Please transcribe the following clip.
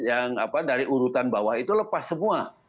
yang dari urutan bawah itu lepas semua